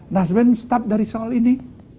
nah sebenarnya menstab dari soal ini